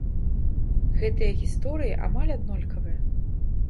Гэтыя гісторыі амаль аднолькавыя.